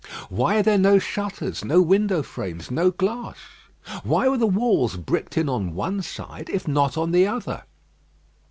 Why are there no shutters, no window frames, no glass? Why were the walls bricked in on one side if not on the other?